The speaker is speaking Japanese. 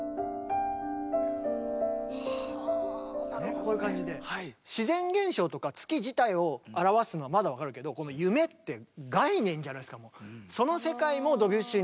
こういう感じで自然現象とか月自体を表すのはまだ分かるけどこの「夢」って概念じゃないですかもう。